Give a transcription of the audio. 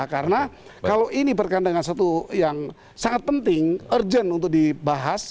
karena kalau ini berkaitan dengan satu yang sangat penting urgent untuk dibahas